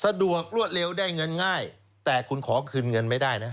สะดวกรวดเร็วได้เงินง่ายแต่คุณขอคืนเงินไม่ได้นะ